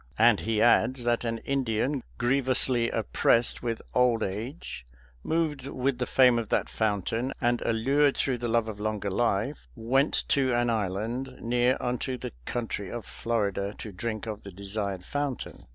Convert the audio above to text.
And he adds that an Indian grievously oppressed with old age, moved with the fame of that fountain, and allured through the love of longer life, went to an island, near unto the country of Florida, to drink of the desired fountain